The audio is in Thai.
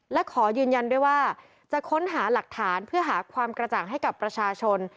และขอยืนยันด้วยว่าจะค้นหาหลักฐานเพื่อหาความกระจ่างให้กับประชาชน